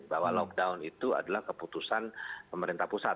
bahwa lockdown itu adalah keputusan pemerintah pusat